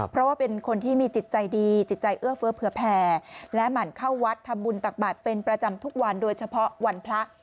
เพราะว่าเป็นคนที่มีจิตใจดีจิตใจเอื้อเฟ้อเผื่อแผ่และหมั่นเข้าวัดทำบุญตักบาทเป็นประจำทุกวันโดยเฉพาะวันพระ